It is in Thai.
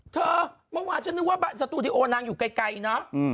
เมื่อวานฉันนึกว่าสตูดิโอนางอยู่ไกลเนอะ